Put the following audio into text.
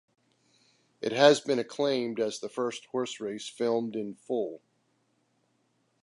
It has been acclaimed as the first horse race filmed in full.